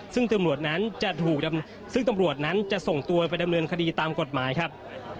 ซึ่งตำรวจนั้นจะส่งตัวไปดำเนินคดีตามกฎหมายครับ